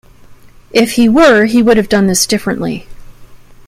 If he were, he would have done this differently.